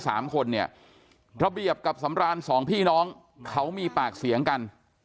สามคนเนี่ยระเบียบกับสำรานสองพี่น้องเขามีปากเสียงกัน